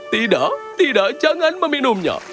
tidak tidak jangan meminumnya